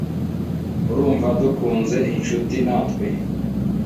urumva dukunze inshuti natwe